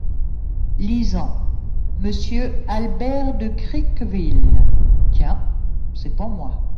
Lisant. "Monsieur Albert de Criqueville…" Tiens ! c’est pour moi !